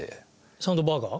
サウンドバーガー？